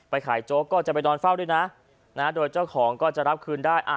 ขายโจ๊กก็จะไปนอนเฝ้าด้วยนะโดยเจ้าของก็จะรับคืนได้